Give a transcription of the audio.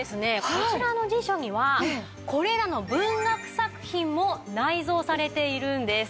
こちらの辞書にはこれらの文学作品も内蔵されているんです。